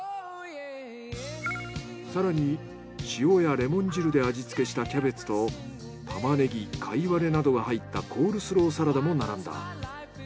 更に塩やレモン汁で味付けしたキャベツとタマネギカイワレなどが入ったコールスローサラダも並んだ。